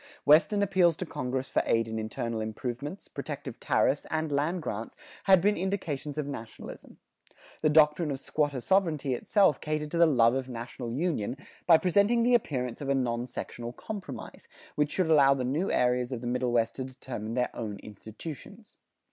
Western appeals to Congress for aid in internal improvements, protective tariffs, and land grants had been indications of nationalism. The doctrine of squatter sovereignty itself catered to the love of national union by presenting the appearance of a non sectional compromise, which should allow the new areas of the Middle West to determine their own institutions.